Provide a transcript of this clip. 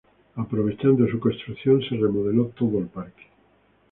Aprovechando su construcción se remodeló todo el parque.